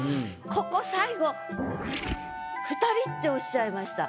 ここ最後「二人」っておっしゃいました。